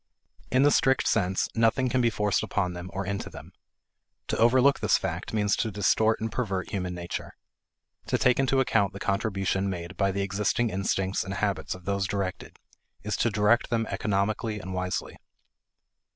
In the strict sense, nothing can be forced upon them or into them. To overlook this fact means to distort and pervert human nature. To take into account the contribution made by the existing instincts and habits of those directed is to direct them economically and wisely.